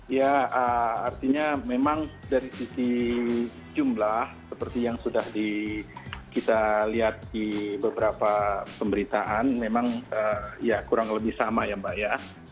ya artinya memang dari sisi jumlah seperti yang sudah kita lihat di beberapa pemberitaan memang ya kurang lebih sama ya mbak ya